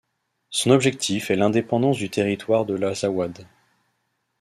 Son objectif est l'indépendance du territoire de l'Azawad.